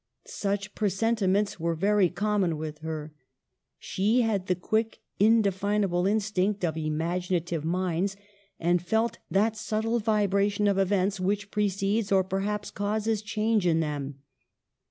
Such presentiments were very common with her. She had the quick, indefinable instinct of imaginative minds, and felt that subtle vibration of events which precedes, or perhaps causes, change in them.